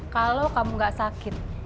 kalau kamu gak sakit